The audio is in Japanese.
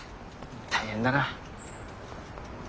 大変だな。